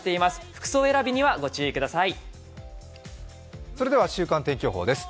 服装選びにはご注意ください。